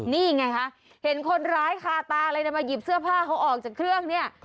นี่ไงคะเห็นคนร้ายคาตาเลยนะมาหยิบเสื้อผ้าเขาออกจากเครื่องเนี่ย